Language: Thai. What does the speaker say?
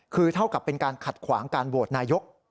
คือเท่ากับเป็นการขัดขวางการโหวตนายก